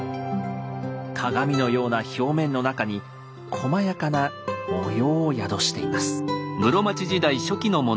鏡のような表面の中にこまやかな模様を宿しています。